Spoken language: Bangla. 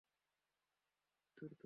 দ্রুত চালিয়ো না।